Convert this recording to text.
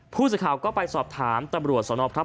ผู้สิทธิ์ข่าวก็ไปสอบถามตำรวจสอนอบทรัพย์